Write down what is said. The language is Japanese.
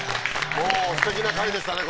もうすてきな回でしたね